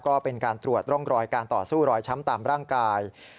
ก็เป็นการตรวจร่องรอยการต่อสู้รอยช้ำตามร่างกาย